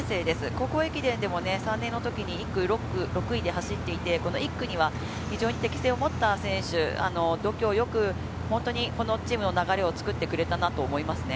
高校駅伝でも３年のときに１区６区、６位で走っていて、この１区には適性を持った選手、度胸よく本当にチームの流れを作ってくれたなと思いますね。